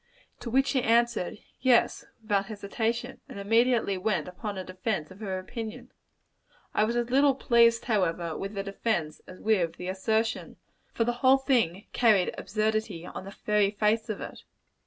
To which she answered, Yes, without hesitation; and immediately went upon a defence of her opinion. I was as little pleased, however, with the defence, as with the assertion; for the whole thing carried absurdity on the very face of it.